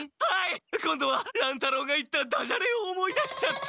今度は乱太郎が言ったダジャレを思い出しちゃって。